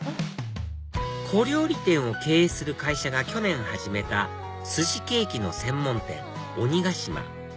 小料理店を経営する会社が去年始めた寿司ケーキの専門店鬼ヶ島